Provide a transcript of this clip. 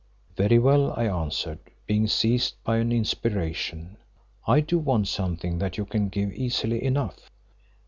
"Very well," I answered, being seized by an inspiration, "I do want something that you can give easily enough."